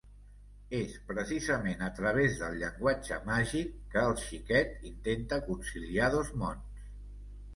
És, precisament, a través del llenguatge màgic que el xiquet intenta conciliar dos mons.